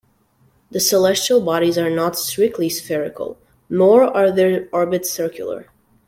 The celestial bodies are not strictly spherical, nor are their orbits circular.